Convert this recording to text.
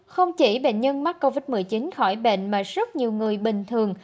không chỉ bệnh nhân mắc covid một mươi chín khỏi bệnh mà rất nhiều người bình thường